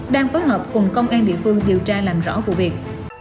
đang phối hợp cùng công an địa phương điều tra làm rõ vụ việc